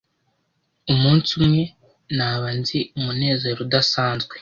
umunsi umwe naba nzi umunezero udasanzwe